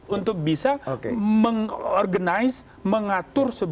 untuk bisa mengatur